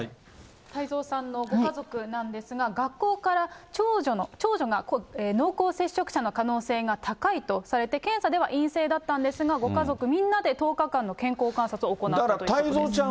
太蔵さんのご家族なんですが、学校から、長女が濃厚接触者の可能性が高いとされて、検査では陰性だったんですが、ご家族みんなで１０日間の健康観察を行ったということです。